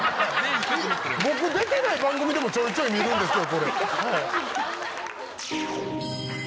僕出てない番組でもちょいちょい見るんですけど。